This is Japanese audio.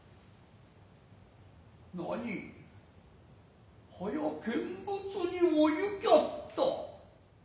何はや見物にお行きやつた。